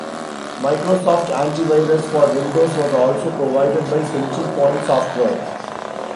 Microsoft Anti-Virus for Windows was also provided by Central Point Software.